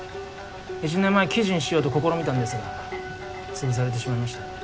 １年前記事にしようと試みたんですが潰されてしまいました。